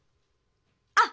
あ！